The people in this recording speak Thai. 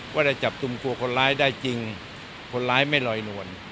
ว่าได้จับกลุ่มตัวคนร้ายได้จริงคนร้ายไม่ลอยนวล